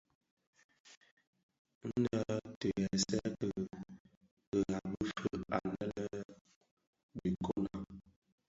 Nnë ti ghèsèè ki ghabi fœug annë dhi nkonag.